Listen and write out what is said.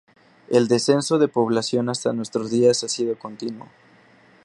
El descenso de población hasta nuestros días ha sido continuo.